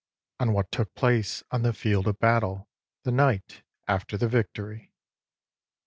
IV. ON WHAT TOOK PLACE ON THE FIELD OF BATTLE THE NIGHT AFTER THE VICTORY.